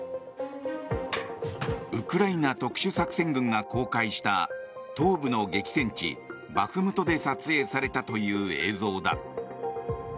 ウクライナ特殊作戦軍が公開した東部の激戦地バフムトで撮影されたという映像だ。